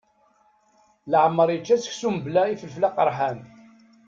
Laεmeṛ yečča seksu mbla ifelfel aqerḥan.